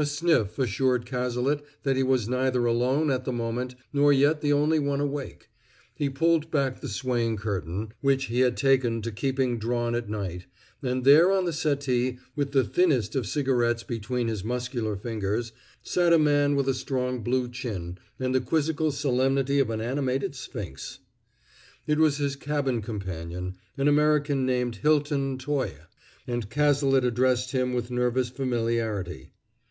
A sniff assured Cazalet that he was neither alone at the moment nor yet the only one awake; he pulled back the swaying curtain, which he had taken to keeping drawn at night; and there on the settee, with the thinnest of cigarettes between his muscular fingers, sat a man with a strong blue chin and the quizzical solemnity of an animated sphinx. It was his cabin companion, an American named Hilton Toye, and Cazalet addressed him with nervous familiarity.